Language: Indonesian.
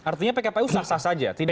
artinya pkpu saksa saja